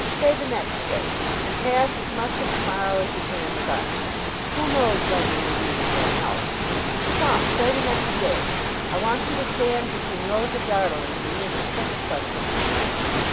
Say the next day, and pass as much of tomorrow as you can with us! Who knows when we may meet again, else? Come! Say the next day! I want you to stand between Rosa Dartle and me, and keep us asunder.